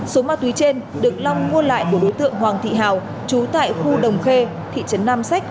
số ma túy trên được long mua lại của đối tượng hoàng thị hào chú tại khu đồng khê thị trấn nam sách